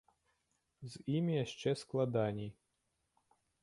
З імі яшчэ складаней.